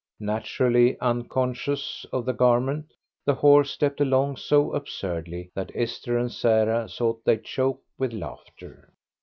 Naturally unconscious of the garment, the horse stepped along so absurdly that Esther and Sarah thought they'd choke with laughter.